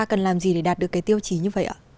cần làm gì để đạt được cái tiêu chí như vậy ạ